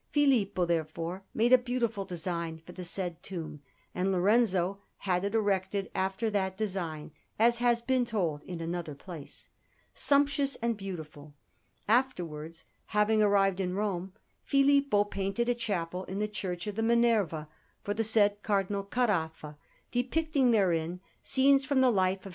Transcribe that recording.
Filippo, therefore, made a beautiful design for the said tomb, and Lorenzo had it erected after that design (as has been told in another place), sumptuous and beautiful. Afterwards, having arrived in Rome, Filippo painted a chapel in the Church of the Minerva for the said Cardinal Caraffa, depicting therein scenes from the life of S.